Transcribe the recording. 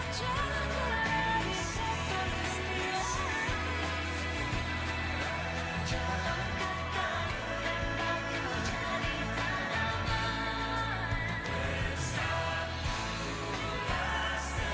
tanahmu yang ku cintai engkau ku hargai